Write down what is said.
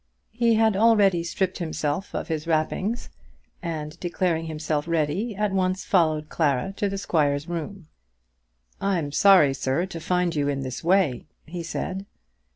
He had already stripped himself of his wrappings, and declaring himself ready, at once followed Clara to the squire's room. "I'm sorry, sir, to find you in this way," he said.